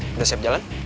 kita siap jalan